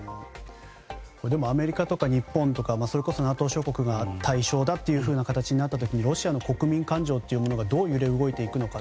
でもアメリカとか日本とかＮＡＴＯ諸国が対象だという形になったときロシアの国民感情がどう揺れ動いていくのか。